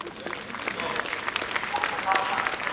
د خوښیو د مستیو ږغ